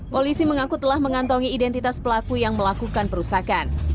polisi mengaku telah mengantongi identitas pelaku yang melakukan perusakan